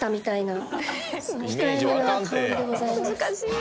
難しい。